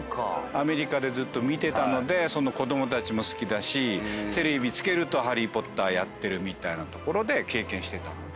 アメリカでずっと見てたので子供たちも好きだしテレビつけると『ハリー・ポッター』やってるみたいな所で経験してたので。